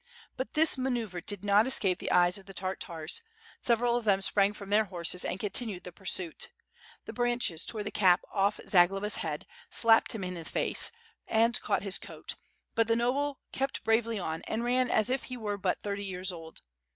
But this manoeuvre did not escape the eyes of the Tartars. Several of them sprang from their horses, and continued the pursuit. The branches tore the cap off Zagloba's head, slapped him in the face, and caught his coat, but the noble kept bravely on, and ran as if he were but thirty years old.